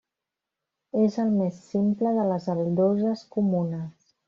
És el més simple de les aldoses comunes.